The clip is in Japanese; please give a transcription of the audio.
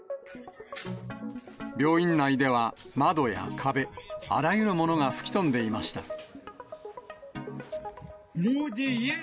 病院内では、窓や壁、あらゆるものが吹き飛んでいました。